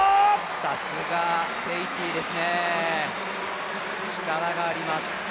さすがケイティですね、力があります。